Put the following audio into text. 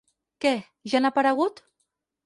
Què, ja han aparegut?